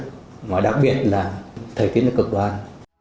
ngoài đặc biệt là thời tiết của cơ quan